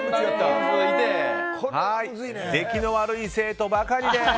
出来の悪い生徒ばかりです。